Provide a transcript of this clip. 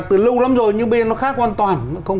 từ lâu lắm rồi nhưng bây giờ nó khác hoàn toàn